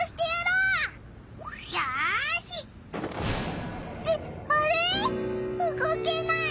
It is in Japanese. うごけない。